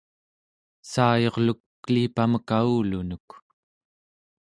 saayurluk kelipamek avulunuk